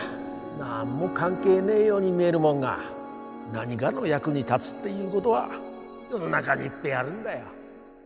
何も関係ねえように見えるもんが何がの役に立つっていうごどは世の中にいっぺえあるんだよ。